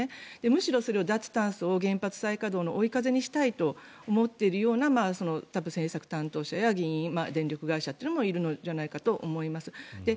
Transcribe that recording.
むしろ、それを脱炭素を原発再稼働の追い風にしたいと思っているような政策担当者や電力会社もいるのではないかと思います。